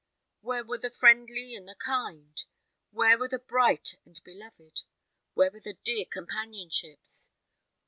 Where were the friendly and the kind? Where were the bright and beloved? Where were the dear companionships?